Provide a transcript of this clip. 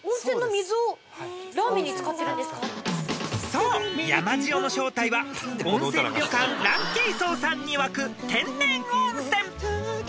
［そう山塩の正体は温泉旅館嵐渓荘さんに湧く天然温泉］